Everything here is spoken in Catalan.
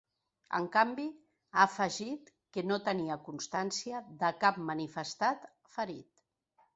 En canvi, ha afegit que no tenia constància de cap manifestat ferit.